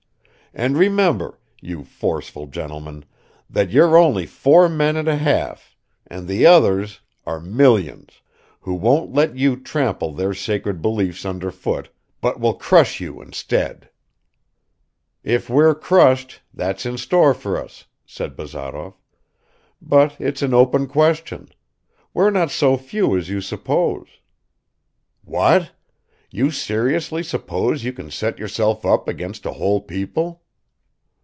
And remember, you forceful gentlemen, that you're only four men and a half, and the others are millions, who won't let you trample their sacred beliefs under foot, but will crush you instead!" "If we're crushed, that's in store for us," said Bazarov. "But it's an open question. We're not so few as you suppose." "What? You seriously suppose you can set yourself up against a whole people?"